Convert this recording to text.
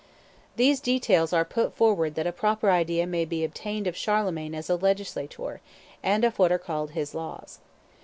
These details are put forward that a proper idea may be obtained of Charlemagne as a legislator, and of what are called his laws.